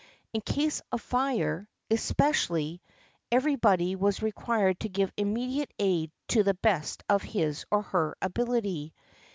In case of fire, especially, everybody was required to give immediate aid to the best of his or her ability.